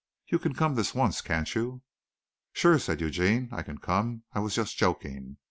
You can come this once, can't you?" "Sure," said Eugene. "I can come. I was just joking.